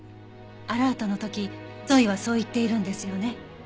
アラートの時ゾイはそう言っているんですよね？